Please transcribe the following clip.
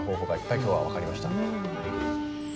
今日は分かりました。